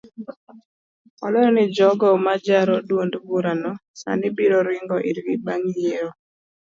Olero ni jogo majaro duond burano sani biro ringo irgi bang yiero.